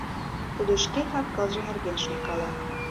Тудо шке кап-кылже нерген шонкала.